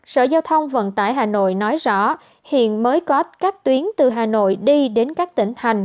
sở giao thông vận tải hà nội nói rõ hiện mới có các tuyến từ hà nội đi đến các tỉnh thành